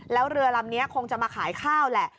แล้วเรือลำนี้คงจะมาขายข้าวแหละ